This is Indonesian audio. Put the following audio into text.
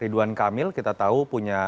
ridwan kamil kita tahu punya